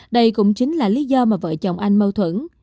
đây cũng chính là lý do mà vợ chồng anh mâu thuẫn